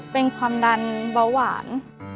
เป็นความดันเบาหวาน